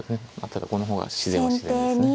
ただこの方が自然は自然ですね。